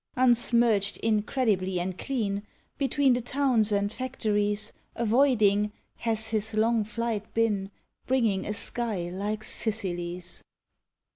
Unsmirched incredibly and clean, Between the towns and factories, Avoiding, has his long flight been, Bringing a sky like Sicily's.